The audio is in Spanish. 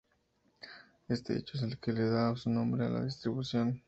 Este hecho es el que le da su nombre a la distribución.